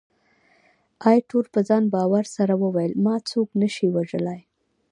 ایټور په ځان باور سره وویل، ما څوک نه شي وژلای.